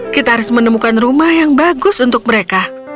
kita harus menemukan rumah yang bagus untuk mereka